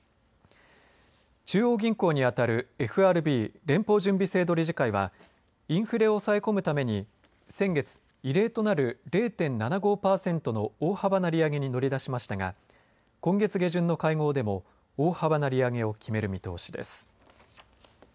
中央銀行に当たるＦＲＢ連邦準備制度理事会はインフレを抑え込むために先月、異例となる０．７５パーセントの大幅な利上げに乗り出しましたが今月下旬の会合でも大幅な利上げを決める見通しです。